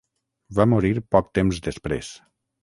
Va morir poc temps després.